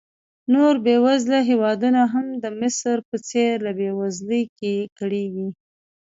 نور بېوزله هېوادونه هم د مصر په څېر له بېوزلۍ کړېږي.